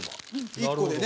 １個でね。